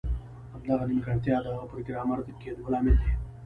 همدغه نیمګړتیا د هغه د پروګرامر کیدو لامل ده